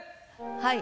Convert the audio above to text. はい。